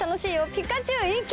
ピカチュウいけ！